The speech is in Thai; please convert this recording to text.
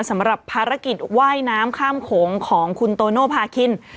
สำหรับภารกิจว่ายน้ำข้ามโขงของคุณโตโนภาคิน